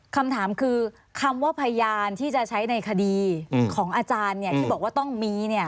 คำถามคือคำว่าพยานที่จะใช้ในคดีของอาจารย์ที่บอกว่าต้องมี